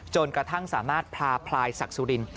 จนกระทั่งสามารถพาพลายศักดิ์สุริน